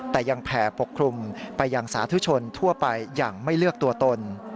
แต่ยังแผ่ปกคลุมไปยังสาธุชนทั่วไปอย่างไม่เลือกตัวตน